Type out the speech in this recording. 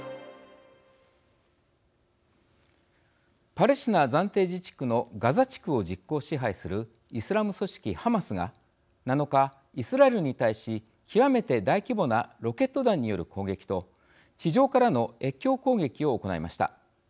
パレスチナ暫定自治区のガザ地区を実効支配するイスラム組織ハマスが７日イスラエルに対し極めて大規模なロケット弾による攻撃と地上からの越境攻撃を行いました。